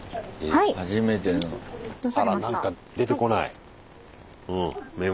あら何か出てこないメモが。